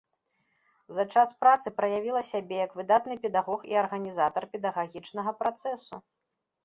За час працы праявіла сябе як выдатны педагог і арганізатар педагагічнага працэсу.